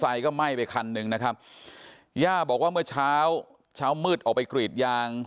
ไฟก็ไหม้ไปคันหนึ่งนะครับย่าบอกว่าเมื่อเช้าเช้ามืดออกไปกรีดยาง